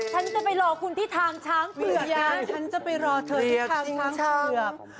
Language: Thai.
ฉันจะไปรอคุณที่ทางช้างเผือกนะฉันจะไปรอเธอที่ทางช้างเผือก